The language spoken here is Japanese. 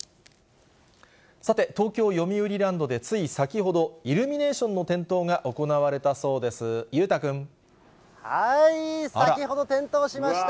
さて、東京・よみうりランドでつい先ほど、イルミネーションの点灯が行先ほど点灯しました。